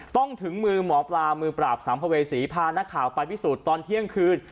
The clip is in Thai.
ถึงมือหมอปลามือปราบสัมภเวษีพานักข่าวไปพิสูจน์ตอนเที่ยงคืน